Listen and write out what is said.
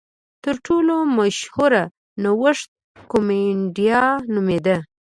تر ټولو مشهور نوښت کومېنډا نومېده.